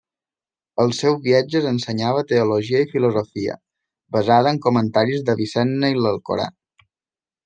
Als seus viatges ensenyava teologia i filosofia, basada en comentaris d'Avicenna i l'Alcorà.